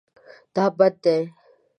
دا بد دی